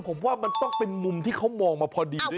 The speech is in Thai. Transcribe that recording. ผมว่ามันต้องเป็นมุมที่เขามองมาพอดีด้วยนะ